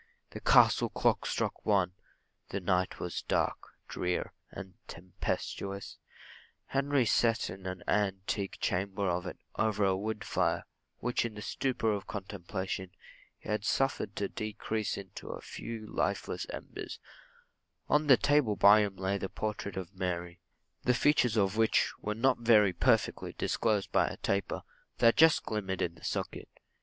The castle clock struck one the night was dark, drear, and tempestuous. Henry set in an antique chamber of it, over a wood fire, which, in the stupor of contemplation, he had suffered to decrease into a few lifeless embers; on the table by him lay the portrait of Mary the features of which were not very perfectly disclosed by a taper, that just glimmered in the socket.